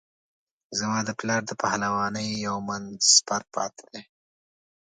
زما د پلار د پهلوانۍ یو من سپر پاته دی.